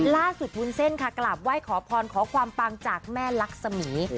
ล่าสุดวุ้นเซ่นค่ะกลับไหว้ขอพรขอความปังจากแม่รักษมีธ์